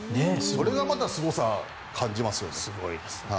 それがまたすごさを感じますよね。